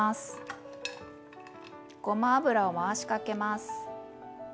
ごま油を回しかけます。